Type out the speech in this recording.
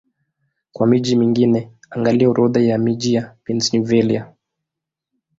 Kwa miji mingine, angalia Orodha ya miji ya Pennsylvania.